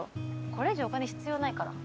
これ以上お金必要ないから。